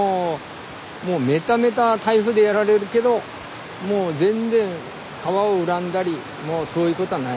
もうメタメタ台風でやられるけどもう全然川を恨んだりもうそういうことはないです。